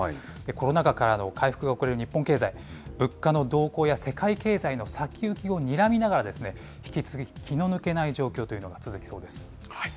コロナ禍からの回復が遅れる日本経済、物価の動向や世界経済の先行きをにらみながら、引き続き気の抜けない状況というのが続きそうです。